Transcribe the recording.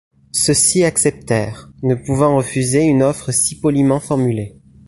Ceux-ci acceptèrent, ne pouvant refuser une offre si poliment formulée.